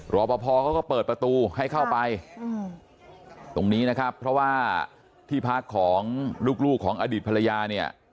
รอปภเขาก็เปิดประตูให้เข้าไปตรงนี้นะครับเพราะว่าที่พักของลูกของอดีตภรรยาเนี่ย